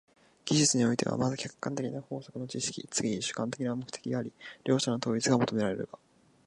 技術においては、まず客観的な法則の知識、次に主観的な目的があり、両者の統一が求められるが、